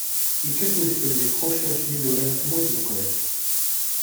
Yekkat udfel deg tqucac n yidurar n tmurt n Leqbayel.